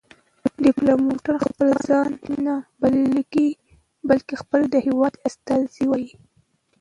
ډيپلومات خپل ځان نه، بلکې خپل د هېواد استازی وي.